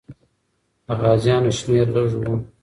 د غازیانو شمېر لږ وو.